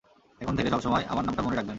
এখন থেকে সবসময় আমার নামটা মনে রাখবেন!